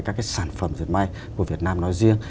các cái sản phẩm diệt may của việt nam nói riêng